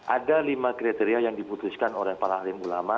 ada lima kriteria yang diputuskan oleh para alim ulama